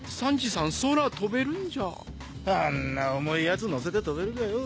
あんな重いやつ乗せて飛べるかよ。